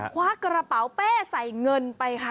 คว้ากระเป๋าเป้ใส่เงินไปค่ะ